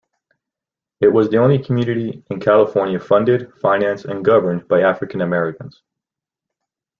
It was the only community in California founded, financed and governed by African Americans.